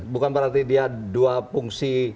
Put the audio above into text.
bukan berarti dia dua fungsi